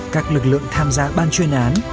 các lực lượng tham gia văn chuyên án